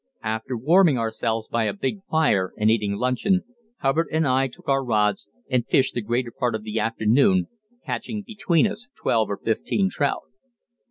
After warming ourselves by a big fire and eating luncheon, Hubbard and I took our rods and fished the greater part of the afternoon, catching between us twelve or fifteen trout.